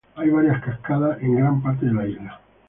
Hay varias cascadas en gran parte de la isla.